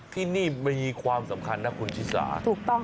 ที่นี่มีความสำคัญนะคุณชิสาถูกต้อง